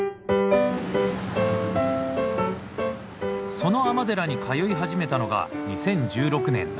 その尼寺に通い始めたのが２０１６年夏。